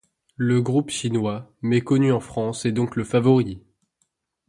Le groupe chinois, méconnu en France, est donc le favori.